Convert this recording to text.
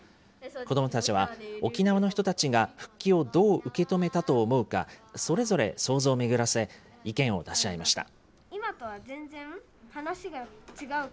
子どもたちは、沖縄の人たちが復帰をどう受け止めたと思うか、それぞれ想像を巡らせ、意見を出し合いました。